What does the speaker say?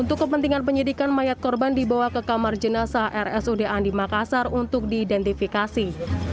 untuk kepentingan penyidikan mayat korban dibawa ke kamar jenazah rsud andi makassar untuk diidentifikasi